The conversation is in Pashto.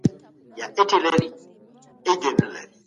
ښه شاعر ښه نثر لیکوال هم کېدای شي.